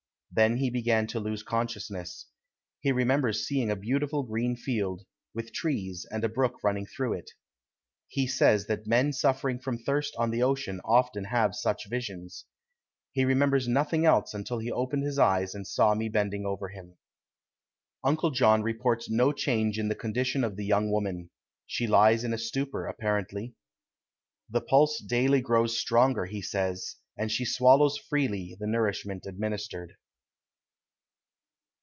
Then he began to lose consciousness. He remembers seeing a beautiful green field, with trees, and a brook running through it. He says that men suffering from thirst on the ocean often have such visions. He remembers nothing else until he opened his eyes and saw me bending over him. Uncle John reports no change in the condition of the young woman. She lies in a stupor, apparently. The pulse daily grows stronger, he says, and she swallows freely the nourishment administered.